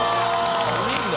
いいんだ。